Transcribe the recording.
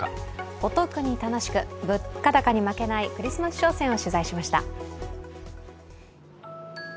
お得に楽しく、物価高に負けないクリスマス商戦を取材しました。